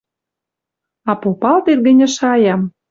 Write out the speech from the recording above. А попалтет гӹньӹ шаям